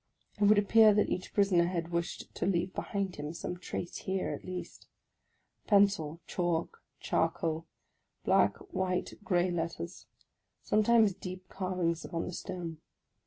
It would appear that each prisoner had wished to leave behind him some trace here at least. Pencil, chalk, charcoal, — black, white, grey letters ; sometimes deep carvings upon the stone.